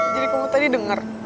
jadi kamu tadi denger